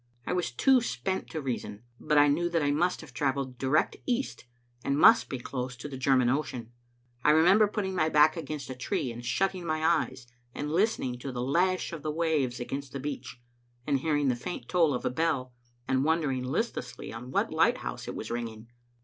I was too spent to reason, but I knew that I must have travelled direct east, and must be close to the German Ocean. I remember putting my back against a tree and shutting my eyes, and listening to the lash of the waves against the beach, and hearing the faint toll of a bell, and wondering listlessly on what lighthouse it was ringing.